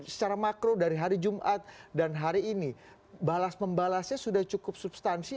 secara makro dari hari jumat dan hari ini balas membalasnya sudah cukup substansi